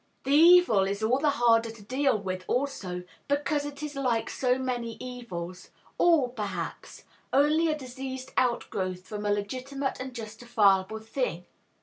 The evil is all the harder to deal with, also, because it is like so many evils, all, perhaps, only a diseased outgrowth, from a legitimate and justifiable thing.